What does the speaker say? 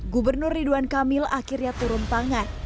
gubernur ridwan kamil akhirnya turun tangan